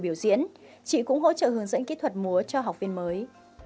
biểu diễn chị cũng hỗ trợ hướng dẫn kỹ thuật múa cho học viên mới